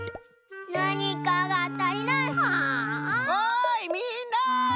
おいみんな！